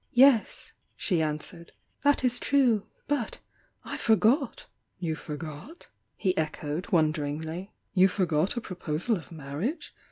"Yes," she answered— "That is true. But^I for got!" "You forgot?" he echoed, wonderingly. "You for got a proposal of marriage?